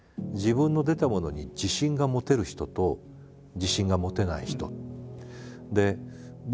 自分の出たものに自信が持てる人と自信が持てない人。